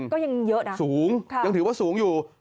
ก็ยังเยอะนะสูงยังถือว่าสูงอยู่